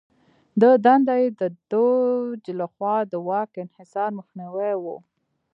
د دنده یې د دوج لخوا د واک انحصار مخنیوی و.